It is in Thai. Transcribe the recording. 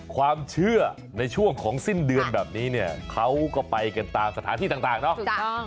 ความเชื่อในช่วงของสิ้นเดือนแบบนี้เนี่ยเขาก็ไปกันตามสถานที่ต่างเนาะถูกต้อง